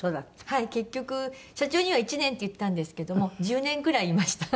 結局社長には１年って言ったんですけども１０年ぐらいいました。